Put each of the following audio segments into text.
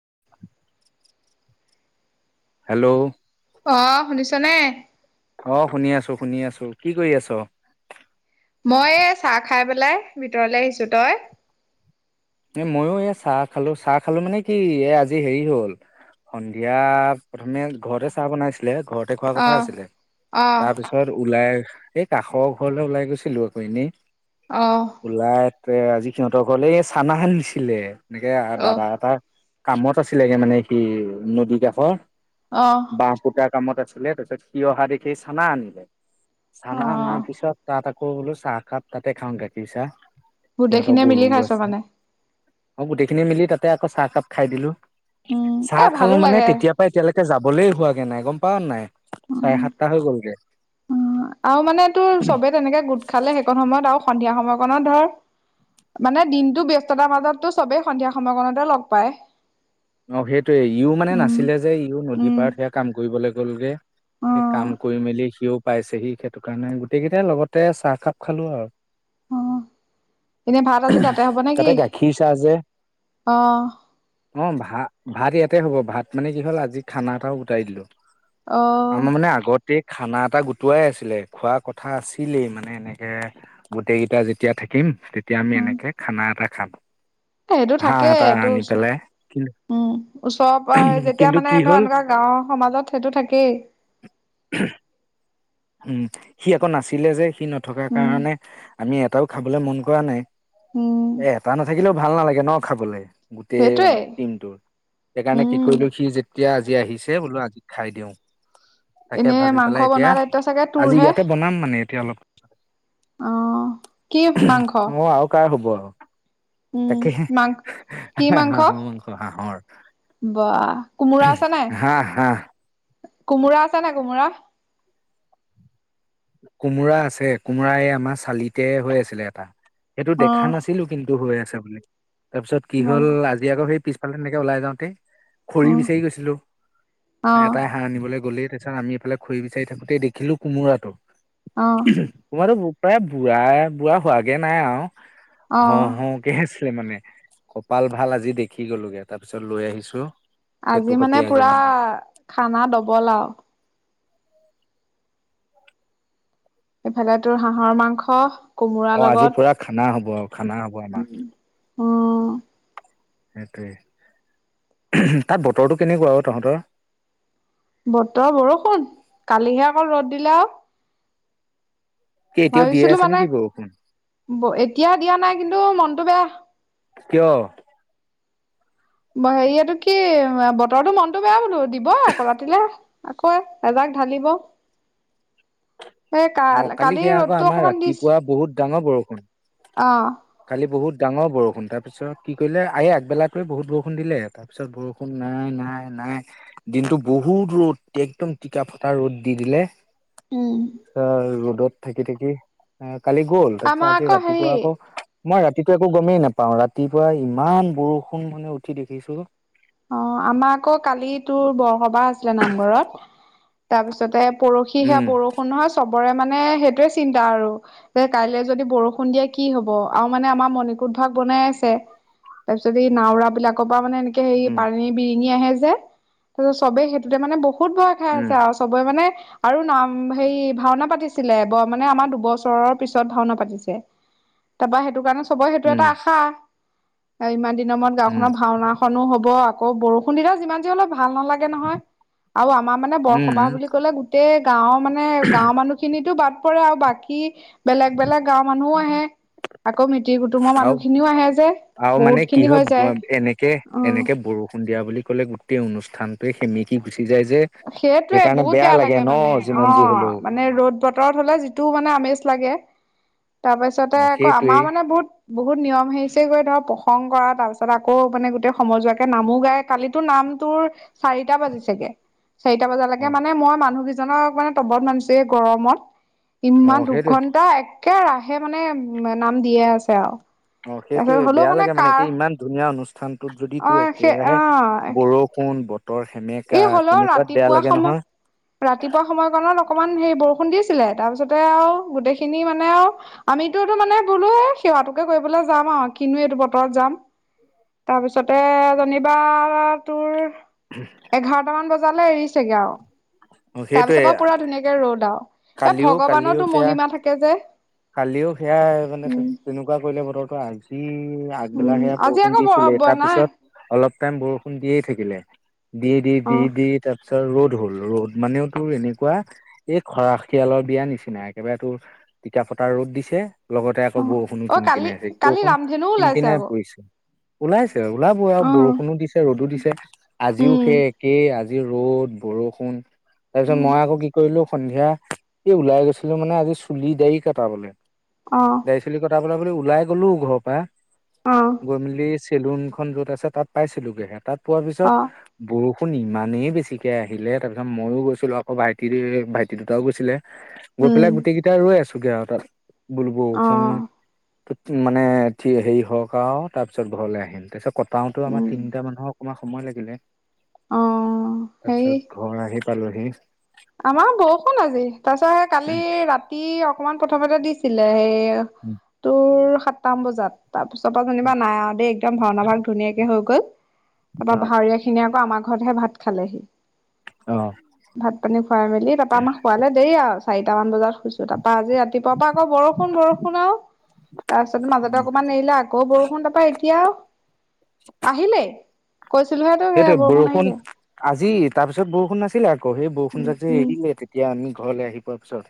[unintelligible] Hello. অ শুনিছ নে? অ শুনি আছো শুনি আছো কি কৰি আছ? মই চাহ খাই পেলাই ভিতৰলে আহিছো, তই? এ' মইো এ চাহ খালো চাহ খালো মানে কি এ আজি হেৰি হ'ল। সন্ধিয়া প্ৰথমে ঘৰতে চাহ বনাইছিলে ঘৰতে খোৱা কথা আহ আছিলে আহ তাৰ পিছত ওলাই এই কাষৰ ঘৰলে ওলাই গৈছিলোঁ আকৌ এনেই, আহ ওলাই আজি সিহঁতৰ ঘৰলে এই চানাহেন দিছিলে এনেকে অ দাদা এটা কামত আছিলেগে মানে সি নদী কাষৰ আহ বাহ পুতা কামত আছিলে তাৰপিছত সি অহা দেখি চানা আনিলে অ চানা অনাৰ পিছত তাত আকৌ বোলো চাহ কাপ তাতে খাওঁ গাখীৰ চাহ সিহঁতৰ গোটেইখিনিয়ে মিলি গৰুও খাইছ আছে। মানে অ' গোটেইখিনি মিলি তাতে আকৌ চাহকাপ খাই দিলোঁ। উম এ চাহ ভালো খালো মানে লাগে তেতিয়াৰ পৰা এতিয়ালৈকে যাবলৈ হোৱাগে নাই গম পাওঁ নাই। উম চাৰে সাতটা হৈ গ'লগে। উম আৰু মানে তোৰ চবে তেনেকে গোট খালে সেইকন সময়ত আৰু সন্ধিয়া সময়কণত ধৰ মানে দিনতো ব্যস্ততাৰ মাজততো চবেই সন্ধিয়া সময়কণতে লগ পায়। অ', সেইটয়ে ইও মানে উম নাছিলে যে ইও নদী উম পাৰত সেয়া কাম কৰিবলৈ গ'লগে। অ সেই কাম কৰি মেলি সিও পাইছে সি সেইটো কাৰণে গোটেই কেইটাই লগতে চাহ খাপ খালো আৰু। [inaudible] অ এনে ভাত আজি তাতে হ'ব নেকি, তাতে গাখীৰ চাহ যে অ'। অ ভাত- ভাত ইয়াতে হ'ব ভাত মানে কি হ'ল আজি খানা এটাও গোটাই দিলো। অ আমাৰ মানে আগত গোটেই খানা এটা গোটুৱাই আছিলে খোৱা কথা আছিলেই মানে এনেকে গোটেই কেইটা যেতিয়া থ থাকিম তেতিয়া আমি এনেকে খানা এটা খাম সেইটো হাঁহ থাকেই এটা আনি এইটো পেলাই। উম [inaudible] ওচৰৰ পৰা যেতিয়া কিন্তু মানে কি ধৰ হ'ল এনেকুৱা গাঁওৰ সমাজত সেইটো থাকেই। [inaudible] উম, সি আকৌ নাছিলে যে সি নথকাৰ উম কাৰণে আমি এটাও খাবলৈ মন কৰা নাই। উম এ এটা নাথাকিলেও ভাল নালাগে ন খাবলে। গোটেই সেইটোৱে টিমটোৰ সেইকাৰণে কি উম কৰিলো সি যে তিয়া আজি আহিছে বোলো আজি খাই দিওঁ তাকে এনেই ভাবি মাংস পেলাই এতিয়া বনোৱা দায়িত্ব চাগে আজি তোৰহে ইয়াতে বনাম মানে এতিয়া অলপ। অ কি মাংস মোৰ আৰু কাৰ হ'ব আও। উম তাকে মাং কি মাংস হাঁহৰ মাংস হাঁহৰ। বা কোমোৰা আছে নাই। হাঁহ হাঁহ কোমোৰা আছে নে কোমোৰা। কোমোৰা আছে কোমোৰা এই আমাৰ চালিতে হৈ আছিলে এটা। সেইটো অ দেখা নাছিলো, কিন্তু হৈ আছে বুলি তাৰ পিছত কি অ হ'ল আজি আকৌ সেই পিছ ফালে তেনেকে ওলাই যাওঁতে খৰি বিচাৰি গৈছিলো অ অ এটাই হাঁহ আনিবলৈ গ'লে তাৰপাছত আমি এইফালে খৰি বিচাৰি থাকোতেই দেখিলো কোমোৰাটো-কোমোৰাটো [unintelligible] বুঢ়াই বুঢ়া হোৱাগে নাই আৰু অ হওঁ-হওঁ কে আছে চে মানে কপাল ভাল আজি দেখি গ'লোগে তাৰপিছত লৈ আহিছো। সেইটো আজি সৈতে মানে পুৰা বনাম খানা দবল আও। এইফালে তোৰ হাঁহৰ মাংস। কোমোৰাৰ অ', আজি লগত পুৰা খানা হ'ব আও খানা হ'ব আমাৰ। অ'। সেইটোৱে তাত বতৰটো কেনেকুৱা ঔ তহঁতৰ। বতৰ বৰষুণ কালিহে অকল ৰ'দ দিলে আও। কি এতিয়াও দিয়ে ভাবিছিলো আছে মানে নেকি বৰষুণ এতিয়া দিয়া নাই কিন্তু মনটো বেয়া। কিয়। হেৰি এটো কি বতৰটোৰ মনতটো বেয়া বোলো দিব আকৌ ৰাতিলে। আকৌ এজাক ঢালিব। এই কা অ', কালি সেয়া আকৌ ৰ'দটো আমাৰ অকমান দিছে ৰাতিপুৱা বহুত ডাঙৰ বৰষুণ। অ'। কালি বহুত ডাঙৰ বৰষুণ তাৰ পিছত কি কৰিলে আ এই আগবেলাকৈ বহুত বৰষুণ দিলে তাৰপিছত বৰষুণ নাই- নাই নাই- নাই দিনতটো বহুত ৰ'দ একদম টিকা ফটা ৰ'দ দি দিলে। উম। ৰ'দত থাকি-থাকি এ কালি গ'ল তাৰপিছত আমাৰ আজি আকৌ হেৰি ৰাতিপুৱা আকৌ মই ৰাতিটো একো গমেই নাপাওঁ ৰাতিপুৱা ইমান বৰষুণ মানে উঠি দেখিছো। অ', আমাৰ আকৌ কালি তোৰ বৰসবাহ আছিলে নামঘৰত তাৰপিছতে পৰশি সেয়া উম বৰষুণ নহয় চব ৰে মানে সেইটোয়ে চিন্তা আৰু যে কাইলে যদি বৰষুণ দিয়ে কি হ'ব আৰু মানে আমাৰ মণিকুত ভাগ বনাই আছে তাৰ পিছত এই নাওৰা বিলাকৰ পৰা মানে এনেকে হেৰি উম পানী বিৰিঙি আহে যে কো চবেই সেইটোতে মানে বহুত ভয় খাই উম আছে আৰু চবৰে মানে আৰু নাম হেৰি ভাওনা পাতিছিলে মানে আমাৰ দুবছৰৰ পিছত ভাওনা পাতিছে। তা পা সেইটো কাৰণে চব সেইটো উম এটা আশা আও ইমান দিনৰ মূৰত উম গাওখনত ভাওনাখননো হ'ব। কৌ বৰষুণ দিনা যিমান যি হ'লো ভাল নালাগে নহয়। আৰু আমাৰ মানে বৰসবাহ উম বুলি ক'লে গোটেই গাঁওৰ মানে গাঁওৰ মানুহখিনিতো বাট পৰে আও বাকী বেলেগ বেলেগ গাঁওৰ মানুহও আহে। আকৌ মিতিৰ কুটুমৰ আৰু মানুহখিনিও আহে যে বহুত খিনি হৈ যায়। কে অ', এনেকে বৰষুণ দিয়া বুলি ক'লে গোটেই অনুষ্ঠানটোৱে সেমিকি গুচি যায় যে সেইটোৱে সেইকাৰণে বহুত বেয়া লাগে ন মানে অ যিমান যি হলেও মানে ৰ'দ বতৰত হ'লে যিটো মানে আমেজ লাগে। তাপাছতে অ আকৌ আমাৰ সেইটোৱেই মানে বহুত বহুত নিয়ম হেৰিছে গৈ ধৰক প্ৰসং কৰা তাৰ পিছত আকৌ মানে গোটেই সমজুৱাকে নামো গায় কালিতো নাম উম তোৰ চাৰিটা বাজিচেগে। চাৰিটা অ বজালৈকে মানে মই মানুহ কেইজনক মানে তবত মানিছো এ গৰমত অ ইমান সেইটোৱে দুঘন্টা একেৰাহে মানে নাম দিয়ে আছে আও। অ সেইটোৱে বেয়া লাগে মানে এতিয়া ইমান ধুনীয়া অনুষ্ঠানটোত যদি তোৰ অ', সেই একেৰাহে বৰষুণ বত এই হলেও ৰাতিপুৱা নহয় সময় ৰাতিপুৱা সময়কণত অকমান হে বৰষুণ দিছিলে তাৰপিছতে আও গোটেই খিনি মানে আও আমিটোতো মানে বোলো সেৱাতোকে কই এ বোলে যাম আও কিনো এইটো বতৰত যাম। তাপিছতে যেনিবা তোৰ [unintelligible] এঘাৰটা মান বজালে এৰিছেগে আও। অ তা সেইটোৱে পিছ পা পুৰা ধুনীয়াকে ৰ'দ আও। এ কালিও কালিও ভগৱানটো সেয়া মহিমা থাকে যে। কালিও সেয়া মানে উম তেনেকুৱা কৰিলে বতৰটো আজি আগবেলা উম সেয়া আজি বৰষুণ আকৌ দিছিলে বনাই তাপিছত অলপ টাইম বৰষুণ দিয়ে থাকিলে দি দি অ দি দি তাত পিছত ৰ'দ হ'ল ৰ'দ মানেও তোৰ এনেকুৱা এ খৰাশিয়ালৰ বিয়াৰ নিচিনা একেবাৰে তোৰ তিকা ফতাৰ ৰ'দ দিছে। লগতে আকৌ অ বৰষুণো অ কিন কালি কনেছে কালি বৰষুণ ৰামধেনুও কিন ওলাইছে কিনাই আকৌ পৰিছে। ওলাইছে ওলাব আ অ বৰষুণো দিছে ৰ'দো দিছে আজিও উম সে একে আজ জি ৰ'দ বৰষুণ তাৰ পিছত উম মই আকৌ কি কৰিলো সন্ধিয়া এই ওলাই গৈছিলো মানে আজি চুলি ডায়ি কটাবলে অ দাড়ি চুলি কট পা পতা বুলি ওলাই গ'লো ঘৰৰ পৰা অ গৈ মেলি চে চেলুনখন য'ত আছে তাত পাইছিলো গেহে তাত পোৱা পিছত অ বৰষ শুনি মানুহে বেছিকে আহিলে, তাৰ পিছত মই ও গৈছিলো আকৌ ভাইটিৰে ভাইটি দুটাও গৈছিলে। গৈ উম পেলাই গোটেই কেইটা ৰৈ আছোগে আৰু তাত বোলো বৰষুণ অ টোত মানে থি সেই হওক আও তাৰ পিছত ঘৰলে আহিম। তাছত কটাওতো আমাক উম তিনিটা মানুহক অকমান সময় লাগিলে অ তাপিছত ঘৰ আহি পালোহি। আমা বৰষুণ আজি তাছ কালি ৰাতি অকমান প্ৰথমতে দি ছিলে সেইয় তোৰ সাতটা মান বজাত। তা পিছ পা যেনিবা নাই আও দেই একদম ভাওনা ভাগ ধুনীয়াকে হৈ গ'ল তা পা অ ভাওৰীয়া খিনিয়ে আকৌ আমাক ঘতহে ভাত খালেহি। অহ। ভাত পানী খুৱাই মেলি তা পা আমাক খোৱালে দেই আও চাৰিটামান বজাত শুইছো তাপ পা আজি ৰাতিপুৱা পা আকৌ বৰষুণ বৰষুণ আও। তাছত মাজতে অকমান এৰিলে আকৌ বৰষুণ তা পা এতিয়া আহিলে। কৈছিলোহে তোক সেয়া সেইটোৱে বৰষুণ আজিত তাপিছত বৰষুণ নাছিলে আকৌ সেই বৰষুণ উম যাক যে উম এৰিলে তেতিয়া আমি ঘৰলে আহি পোৱাৰ পিছত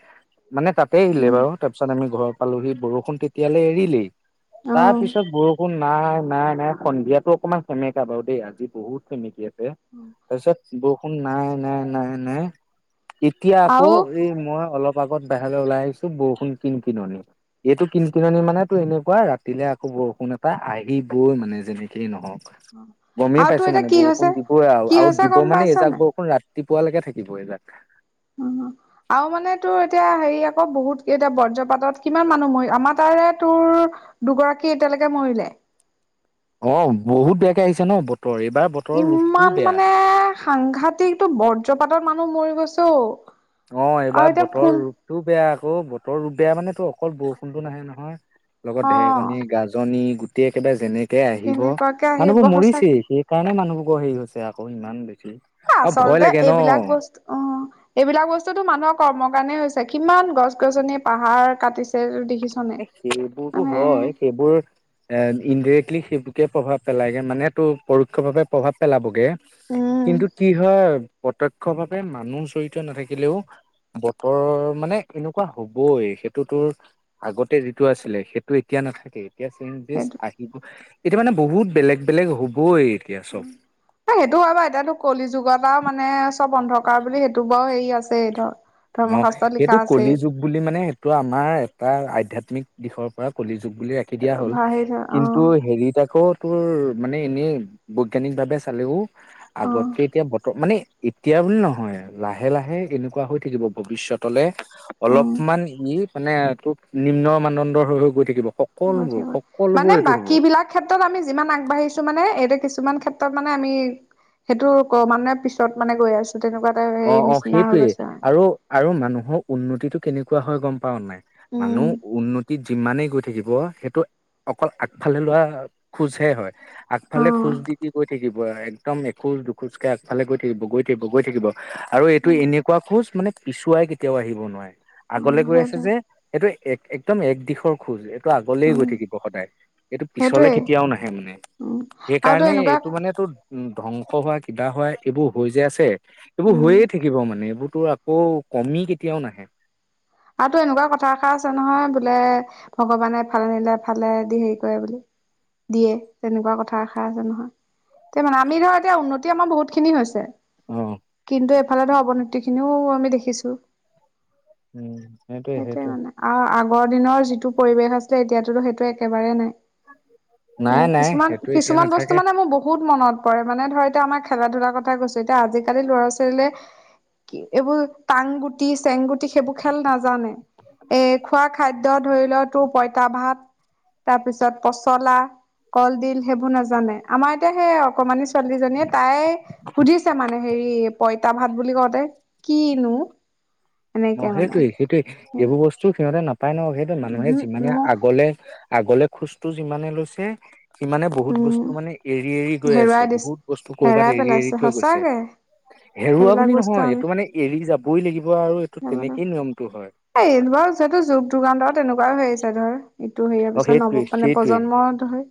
মানে তাতে এৰিলে উম বাৰু তা পিছত আমি ঘৰ পালোহি বৰষুণ তেতিয়ালে এৰিলেই। অ তা পিছত বৰষুণ নাই নাই নাই সন্ধিয়াটো অকমান সেমেকা বাৰু দেই আজি। বহুত সেমেকি আছে তাৰপিছত বৰষুণ নাই নাই নাই নাই এতিয়া আকৌ আৰু এই মই অলপ আগত বাহেৰলৈ ওলাই আহিছো, বৰষুণ কিন কিননি। এইটো কিনকিননি মানে তো এনেকুৱাই ৰাতিলে আকৌ বৰষুণ এটা আহিবই মানে যেনেকেই নহওঁক। আওতু মানে বৰষুণ দিবই আৰু, আৰু দিব মানে পাইছ এইজাক নাই বৰষুণ ৰাত্তিপুৱালৈকে থাকিব, এইজাক। উ, আৰু মানে তোৰ এতিয়া হেৰি আকৌ, বহুত কেইটা বৰ্জ্ৰপাতত কিমান মানুহ মৰিল, আমাৰ তাত এ, তোৰ দুগৰাকী এতিয়ালৈকে মৰিলে। অ', বহুত বেয়াকে আহিছে ন? বত ইম্মান মানে, সাংঘাতিক তো বৰ্জ্ৰপাতত মানুহ মৰি গৈছে ঔ। অ', এইবাৰ বতৰ ৰূপতটোও বেয়া অ', বতৰৰ ৰূপ বেয়া মানে তো অকল বৰষুণ টো নাহে নহয়, লগত অ ঢেৰেকনী, গাজনি গোট এতিয়া একেবাৰে যেনেকে আহিব, কেনেকুৱাকে আহিব মানুহবোৰ সঁচাকে মৰিছেই, সেইকাৰণে মানুহবোৰ ক, হেৰি হৈছে। আকৌ ইমান বেছি। আৰু ভয় আচলতে লাগে ন এইবিলাক বস্তু অ', এইবিলাক বচ টো মানুহৰ কৰ্মৰ কাৰণে হৈছে। কিমান গছ-গছনি পাহাৰ কাটিছে, যদি এ, সেইবোৰতো হয় সেইবোৰ এ ইনডেৰেক্টলি সেই -টোকে প্ৰভাৱ পেলায়গে মানে তোৰ পৰোক্ষ ভাৱে প্ৰভাৱ পেলাবগে, উম কিন্তু কি হয় প্ৰত্যক্ষ ভাৱে মানুহ জড়িত নাথাকিলেও বতৰ মানে এনেকুৱা হবই, সেইটো তোৰ আগতে যিটো আছিলে, সেইটো এতিয়া নাথাকে। এতিয়া চেঞ্জেছ সেইটো আহিব। এতিয়া মানে বহুত বেলেগ বেলেগ হ'বই এতিয়া চব। উম সেইটো হয় বাৰু এতিয়োটো কলি যুগত আও মানে চব অন্ধকাৰ বুলি সেইটো বাৰু হেৰি আছেই ধৰ। অ', ধৰ্মশাস্ত্ৰত লিখা সেইটো কলি আছেই যুগ বুলি মানে সেইটো আমাৰ এটা আধ্যাত্মিক দিশৰ পৰা কলি যুগ বুলি ৰাখি দিয়া হ'ল। হেৰি ধৰ অ কিন্তু হেৰিত আাকৌ বোৰ মানে এনেই বৈজ্ঞানিক ভাৱে চালেও, অ আগতকে এতিয়া বতৰ মানে এতিয়া বুলি নহয়, লাহে-লাহে এনেকুৱা হৈ থাকিব ভৱিষ্যতলে। উম অলপমান ই মানে তোৰ নিম্ন মানদণ্ডৰ হৈ হৈ গৈ থাকিব। সকলোবোৰ মাজে, মাজে। সকলোবোৰ মানে এইটো হ'ব। বাকী বিলাক ক্ষেত্ৰত আমি যিমান আগবাঢ়িছো মানে এইদে কিছুমান ক্ষেত্ৰত মানে আমি, সেইটো ক মানে পিছত মানে গৈ আছো। তেনেকুৱা এটা হেৰি অ', অ', নিচিনা হৈ সেইটোৱেই, গৈছে মানে আৰু আৰু মানুহৰ উন্নতি টো কেনেকুৱা হয় গম পাৱ নাই? উম মানুহ উন্নতিত যিম্মানেই গৈ থাকিব সেইটো অকল আগফালে লোৱা খোজহে হয়। অ আগফালে খোজ দি দি গৈ থাকিব একদম এখো দুখোজকে আগফালে গৈ থাকিব গৈ থাকিব গৈ থাকিব। আৰু এইটো উম এনেকুৱা খোজ মানে পিছুৱাই কেতিয়াও আহিব নোৱাৰে। উম আগলে গৈ আছে সেইটোৱে যে, এইটো এক একদম এক দিশৰ খোজ, এইটো আগলেই গৈ উম থাকিব সদায়। এইটো পিছলে সেইটোৱে কেতিয়াও নাহে মানে। উম আৰুতো সেইকাৰণে এনেকুৱা এইটো মানে তোৰ ধ্বংস হোৱা কিবা হয়, এইবোৰ হৈ যে আছে, এইবোৰ উম হৈয়ে থাকিব মানে এইবোৰ টো আকৌ কমি কেতিয়াও নাহে। আৰুতো এনেকুৱা কথা এষাৰ আছে নহয়, বোলে ভগৱানে এফালে নিদিলে এফালে দি হেৰি কৰে বুলি। দিয়ে। তেনেকুৱা কথা এসাৰ আছে নহয়, তে মানে আমি ধৰ এতিয়া উন্নতি আমাৰ বহুত খিনি হৈছে। অ কিন্তু এইফালে ধৰ অৱনতি খিনিও আমি দেখিছো। সেইটোৱে মানে। আৰু আগৰ দিনৰ যিটো পৰিৱেশ আছিলে এতিয়াতোতো সেইটো একেবাৰে নাই। নাই মোৰ নাই কিছুমান, সেইটো এতিয়া কিছুমান নাথাকে বস্তু মানে মোৰ বহুত মনত পৰে মানে ধৰ এতিয়া আমাৰ খেলা-ধূলাৰ কথাই কৈছো। এতিয়া আজিকালি ল'ৰা-ছোৱালীলে কি এইবোৰ টাং গুটি, চেং গুটি সেইবোৰ খেল দ্য ধৰি ল, তোৰ পঁইতা ভাত, তাৰপিছত পচলা কলডিল সেইবোৰ নাজানে। আমাৰ এতিয়া সেই অকমানি ছোৱালীজনীয়ে, তাই সুধিছে মানে হেৰি পঁইতা ভাত বুলি কওঁতে, কিনো? এনেকে মানে অ'সেইটোৱে, সেইটোৱে, এইবোৰ বস্তু সিহঁতে নাপ নাপায় ন সেইটো মানুহে উহো যিমানে মোক আগলে, আগলে খোজটো যিমানে লৈছে সি মানে বহুত উম বস্তু মানে এৰি-এৰি গৈ আছে। হেৰুৱাই দিছে বহুত বস্তু কৰ'বাত হেৰাই এৰি-এৰি পেলাইছে থৈ গৈছে। সঁচাকে হেৰুৱা সেইবিলাক বুলি বস্তু নহয়। এইটো মানে এৰি যাবই লাগিব আৰু এইটো তেনেকেই নিয়মটো হয় এইটো বাৰু যিহেতু যুগ যুগান্তৰ তেনেকুৱাই হৈ আহিছে ধৰ এইটো হেৰি অ পিছত সেইটোৱে নৱ মানে সেইটোৱে প্ৰজন্মত ধৰ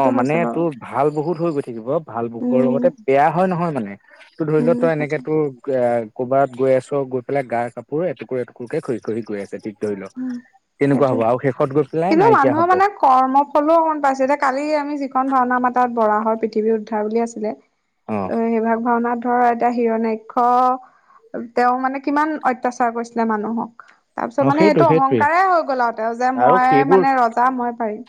অ' মানে তোৰ ভাল বহুত হৈ গৈ থাকিব। ভাল বুকৰ উম লগতে বেয়া হয় নহয় মানে তোৰ ধৰি উম লও তই এনেক সেইটোৱে তোৰ এই ক'ৰবাত গৈ আছ গৈ পেলাই গাৰ কাপোৰ এটুকুৰ-এটুকুৰকে খহি-খহি গৈ আছে তেতিয়া ধৰি উম ল'তেনেকুৱা সেইটোৱে হ'ব আৰু শেষত গৈ পেলাই কিন্তু নাইকিয়া মানুহৰ হ'ব। মানে কৰ্ম ফলো অকমান পাইছে এতিয়া কালি আমি যিখন ভাওনা আমাৰ তাত 'বৰাহৰ পৃথিৱী উদ্ধাৰ' বুলি আছিলে। অ ত' সেই ভাগ ভাওনাত ধৰ এতিয়া হিৰণ্যকশিপু তেওঁ মানে কিমান অত্যাচাৰ কৰিছিলে মানুহক। তাৰপিছত অ মানে সেইটো এইটো সেইটোৱে অহংকাৰেই হৈ গ'ল আৰু তেওঁৰ যে আৰু মই মানে ৰজা মই পাৰিম।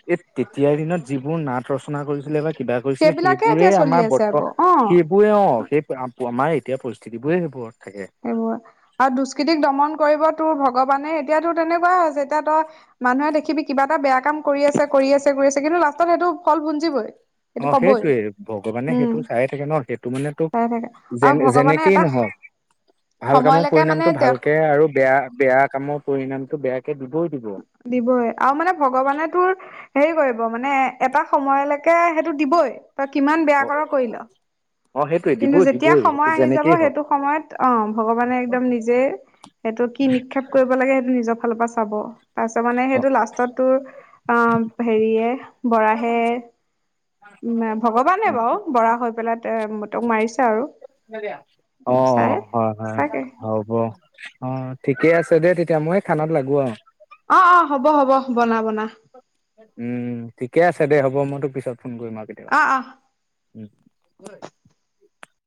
তেতিয়া দিনত যিবোৰ নাট ৰচনা কৰিছিলে বা কিবা কৰিছিলে সেইবিলাকে সেইবোৰে এতিয়া চলি আমাৰ আছে বৰ্ত, আকৌ অ সেইবোৰে অ' সেই আমাৰ এতিয়া পৰিস্থিতিবোৰেই সেইবোৰ। সেইবোৰ। আৰু দুষ্কৃতিক দমন কৰিব তোৰ ভ ভগৱানে, এতিয়াতো তেনেকুৱাই হয় যে এতিয়া তই মানুহে দেখিবি কিবা এটা বেয়া কাম কৰি আছে, কৰি আছে, কৰি আছে, কিন্তু লাষ্টত সেইটো ফল ভুঞ্জিবই। সেইটো অ' পাবই সেইটোৱে। ভগৱানে উম সেইটো চাই থাকে ন সেইটো মানে চাই তোক থাকে আৰু যেনে ভগৱানে যেনেকেই এটা নহওঁক। ভাল কামৰ সময়লৈকে মানে পৰিণামতটো তেওঁক ভালকে আৰু বেয়া বেয়া কামৰ পৰিণামতটো বেয়াকে দিবই দিব। দিবই। আৰু মানে ভগৱানে তোৰ হেৰি কৰিব মানে এটা সময়লৈকে সেই টো দিবই। তই কিমান বেয়া অ কৰা কৰি ল। অ সেইটোৱে কিন্তু দিবই যেতিয়া দিবই সেইটো সময় আহি যাব, যেনেকেই হওক সেইটো সময়ত অ' ভগৱানে একদম নিজে সেইটো কি নিক্ষেপ কৰিব লাগে সেইটো নিজৰ ফালৰ পৰা চাব। তাৰপিছত মানে সেইটো লাষ্টত তোৰ অ' হেৰিয়ে বৰাহে, উম ভগৱানে বাৰু বৰাহ হৈ পেলাই তেওঁ তক মাৰিছে আৰু। অ' চাই অ' হয়, হয়, চাগে হ'ব। অ' ঠিকে আছে দে তেতিয়া মই খানাত লাগো আৰু। অ', অ', হ'ব হব। বনা বনা। উম ঠিকে আছে দে হ'ব। মই তোক পিছত ফোন কৰিম আৰু কেতিয়াবা। অ অ [inaudible]